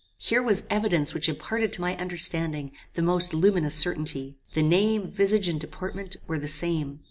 Here was evidence which imparted to my understanding the most luminous certainty. The name, visage, and deportment, were the same.